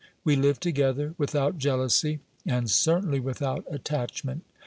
We lived together without jealousy, and certainly without attachment.